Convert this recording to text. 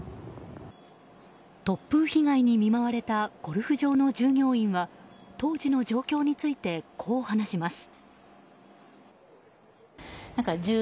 突風被害に見舞われたゴルフ場の従業員は当時の状況についてこう話します。